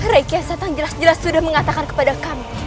rai kian santang jelas jelas sudah mengatakan kepada kami